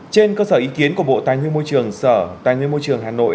trên cơ sở ý kiến của bộ tài nguyên môi trường sở tài nguyên môi trường hà nội